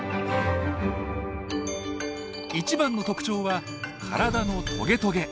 一番の特徴は体のトゲトゲ。